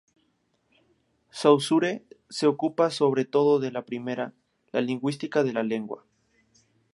Saussure se ocupa sobre todo de la primera, la lingüística de la lengua.